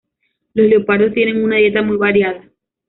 Los leopardos tienen una dieta muy variada.